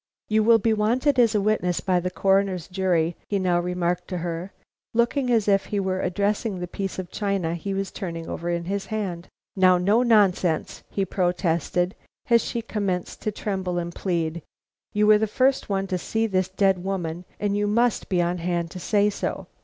"You will be wanted as a witness by the Coroner's jury," he now remarked to her, looking as if he were addressing the piece of china he was turning over in his hand. "Now, no nonsense!" he protested, as she commenced to tremble and plead. "You were the first one to see this dead woman, and you must be on hand to say so.